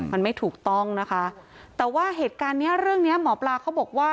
มันไม่ถูกต้องนะคะแต่ว่าเหตุการณ์เนี้ยเรื่องเนี้ยหมอปลาเขาบอกว่า